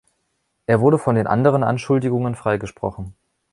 Er wurde von den anderen Anschuldigungen freigesprochen.